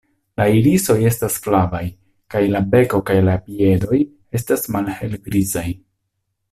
La irisoj estas flavaj kaj la beko kaj piedoj estas malhelgrizaj.